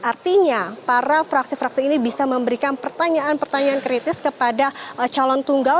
artinya para fraksi fraksi ini bisa memberikan pertanyaan pertanyaan kritis kepada calon tunggal